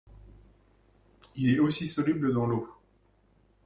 Il est aussi soluble dans l'eau.